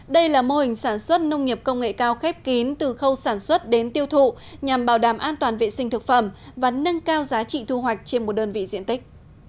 đây là mô hình sản xuất nông nghiệp công nghệ cao khép kín từ khâu sản xuất đến tiêu thụ nhằm bảo đảm an toàn vệ sinh thực phẩm và nâng cao giá trị thu hoạch trên một đơn vị diện tích